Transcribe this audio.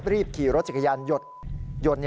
เรียบขี่รถจักรยานหยดปืน